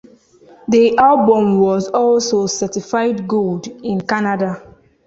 The album was also certified Gold in Canada.